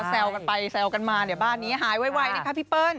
แซวกันไปแซวกันมาบ้านนี้หายไว้เลยค่ะพี่เปิ้ล